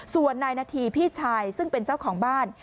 ส่วนนายนาธีพี่ชายซึ่งเป็นเจ้าของบ้าน